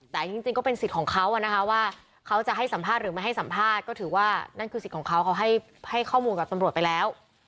แต่จริงก็เป็นสิทธิ์ของเขานะคะว่าเขาจะให้สัมภาษณ์หรือไม่ให้สัมภาษณ์ก็ถือว่านั่นคือสิทธิ์ของเขาเขาให้ข้อมูลกับตำรวจไปแล้ว